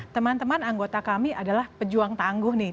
teman teman anggota kami adalah pejuang tangguh nih